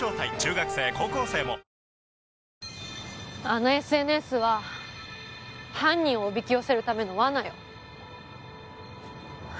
あのＳＮＳは犯人をおびき寄せるための罠よ。